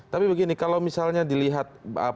tapi begini kalau misalnya dilihat